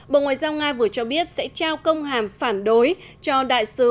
bộ ngoại giao nga vừa cho biết sẽ trao công hàm phản đối cho đại sứ